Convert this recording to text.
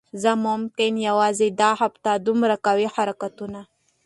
زه ممکن یوازی دا هفته دومره قوي حرکتونو